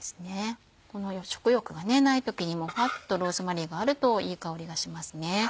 食欲がない時にもパッとローズマリーがあるといい香りがしますね。